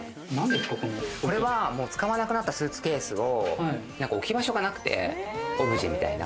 これは使わなくなったスーツケース、置き場所がなくてオブジェみたいな。